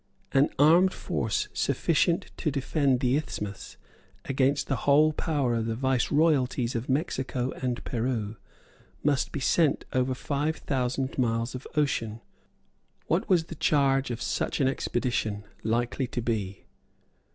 An armed force sufficient to defend the isthmus against the whole power of the viceroyalties of Mexico and Peru must be sent over five thousand miles of ocean. What was the charge of such an expedition likely to be?